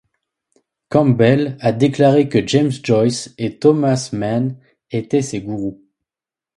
Campbell a déclaré que James Joyce et Thomas Mann étaient ses gourous.